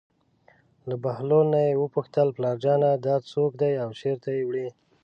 له بهلول نه یې وپوښتل: پلارجانه دا څوک دی او چېرته یې وړي.